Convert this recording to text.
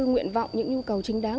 nguyện vọng những nhu cầu chính đáng